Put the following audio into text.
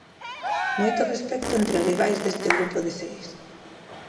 Moito respecto entre rivais deste grupo de seis.